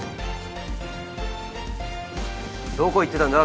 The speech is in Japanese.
どこ行ってたんだ？